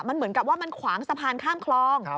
มันเหมือนกับว่ามันขวางสะพานข้ามคลอง